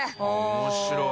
面白い。